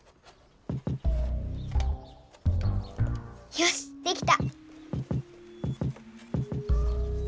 よしできた。